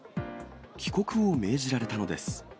帰国を命じられたのです。